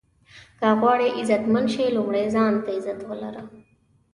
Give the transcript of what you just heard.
که غواړئ عزتمند شې لومړی ځان ته عزت ولره.